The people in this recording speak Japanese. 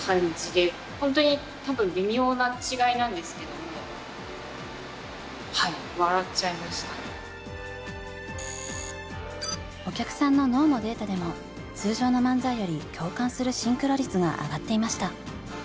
最初のそういう感じでお客さんの脳のデータでも通常の漫才より共感するシンクロ率が上がっていました。